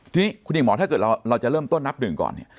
ทีนี้คุณหญิงหมอถ้าเกิดเราจะเริ่มต้นนับหนึ่งก่อนเนี่ย